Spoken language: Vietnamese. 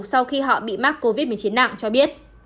sau khi họ bị mắc covid một mươi chín nặng cho biết